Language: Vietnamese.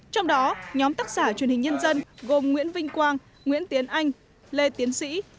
trong đó nhóm tác giả truyền hình nhân dân gồm nguyễn vinh quang nguyễn tiến anh lê tiến sĩ